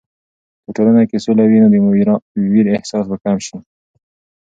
که په ټولنه کې سوله وي، نو د ویر احساس به کم شي.